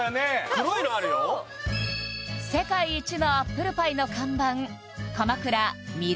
おいしそう「世界一のアップルパイ」の看板